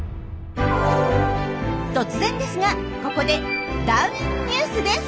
突然ですがここで「ダーウィンＮＥＷＳ」です。